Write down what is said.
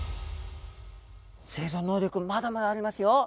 生存能力まだまだありますよ！